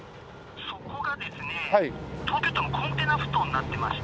「そこがですね東京都のコンテナ埠頭になってまして」